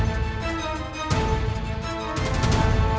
aku yang menghalangimu